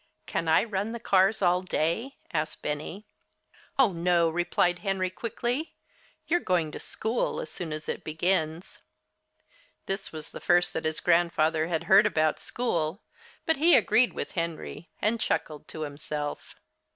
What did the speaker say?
"Can I run the cars all day?" asked Benny. "Oh, no," replied Henry quickly. "You're going to school as soon as it begins." This was the first that his grandfather had heard about school, but he agreed with Henry, and chuckled to himself.